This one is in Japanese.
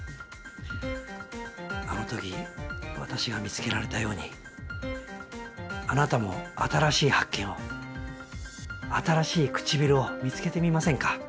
あの時私が見つけられたようにあなたも新しい発見を新しいくちびるを見つけてみませんか？